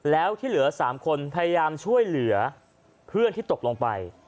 แล้วที่เหลือ๓คนพยายามช่วยเหลือเพื่อนที่ตกลงไป